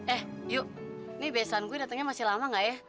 eh yuk ini besanku datangnya masih lama gak ya